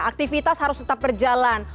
aktivitas harus tetap berjalan